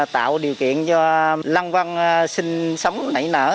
tạo điều kiện cho lăng văn sinh sống nảy nở